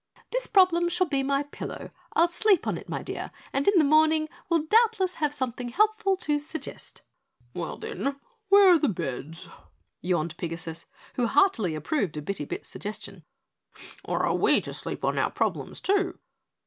This problem shall be my pillow. I'll sleep on it, my dear, and in the morning will doubtless have something helpful to suggest." "Well, then, where're the beds?" yawned Pigasus, who heartily approved of Bitty Bit's suggestion. "Or are we to sleep on our problems, too?"